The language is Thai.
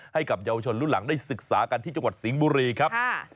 ให้กับเยาวชนรุ่นหลังได้ศึกษากันที่จังหวัดสิงห์บุรีครับ